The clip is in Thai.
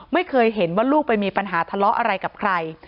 ไม่เคยเห็นว่าลูกไปมีปัญหาทะเลาะอะไรกับใคร